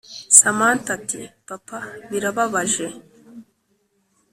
samantha ati ” papa birababaje”